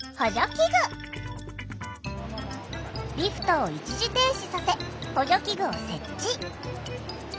リフトを一時停止させ補助器具を設置。